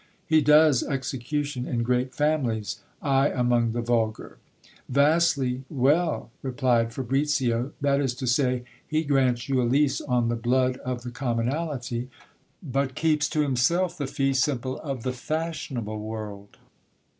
He does execution in great families, I among the vulgar. Yasdy well, replied Fabricio ; that is to say, he grants you a lease on the blood of the commonalty, but keeps to himself the fee simple of the fashionable world.